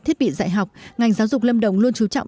thiết bị dạy học ngành giáo dục lâm đồng luôn chú trọng